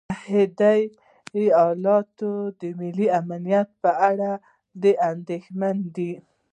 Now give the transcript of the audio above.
متحدو ایالتونو د ملي امنیت په اړه د اندېښنو